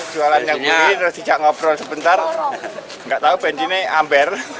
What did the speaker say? jualannya beli terus dicak ngobrol sebentar gak tau bensinnya ambil